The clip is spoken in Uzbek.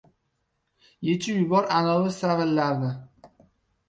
— Yechib yubor anovi savillarni!